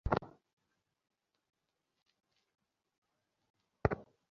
এটা একটা মানসিক প্রেষবর্ধক।